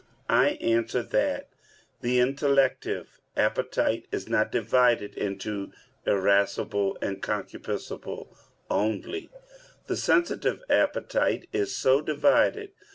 I answer that, The intellective appetite is not divided into irascible and concupiscible; only the sensitive appetite is so divided.